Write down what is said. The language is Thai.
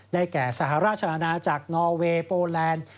ได้แก่สหราชนานาจากนอเวย์โปรแลนด์